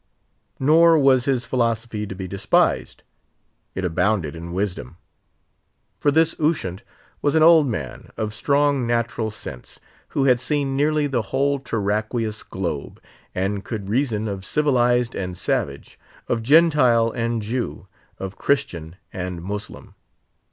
Nor was his philosophy to be despised; it abounded in wisdom. For this Ushant was an old man, of strong natural sense, who had seen nearly the whole terraqueous globe, and could reason of civilized and savage, of Gentile and Jew, of Christian and Moslem.